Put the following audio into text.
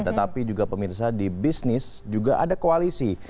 tetapi juga pemirsa di bisnis juga ada koalisi